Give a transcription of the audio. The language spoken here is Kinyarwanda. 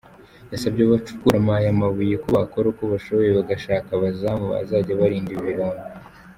Yasabye abacukura aya mabuye ko bakora uko bashoboye bagashaka abazamu bazajya barinda ibi birombe.